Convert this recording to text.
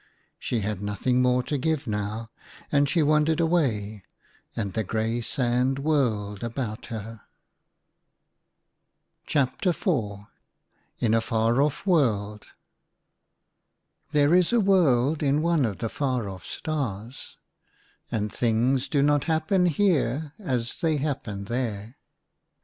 She had nothing more to give now, and she wandered away, and the grey sand whirled about her. ^^^^fe^ IN A FAR OFF WORLD. IN A FAR OFF WORLD. HERE is a world in one of the far off stars, and things do not happen here as they happen there.